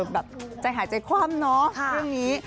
แบบใจหายใจคว่ำเนาะเรื่องนี้